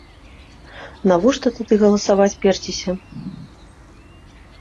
Навошта тады галасаваць перціся?